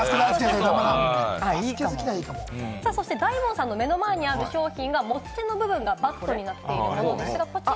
大門さんの目の前にある商品が持ち手の部分がバットになっている。